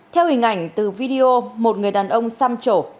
theo hình ảnh từ video một người đàn ông xăm trổ